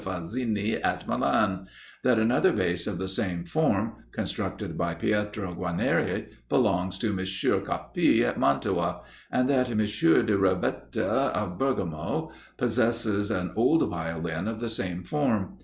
Frazzini at Milan; that another Bass of the same form, constructed by Pietro Guarnieri, belongs to M. Cappi at Mantua; and that M. de Rovetta of Bergamo, possesses an old Violin of the same form.